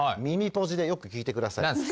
耳ぽじでよく聞いてください。